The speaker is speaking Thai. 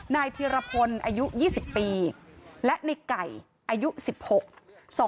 เทียรพลอายุ๒๐ปีและในไก่อายุ๑๖